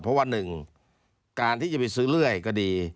เพราะว่าหนึ่งการที่จะไปซื้อเรื่อยก็ดี